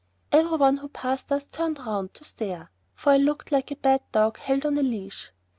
Every one who passed us turned round to stare, for I looked like a bad dog held on a leash.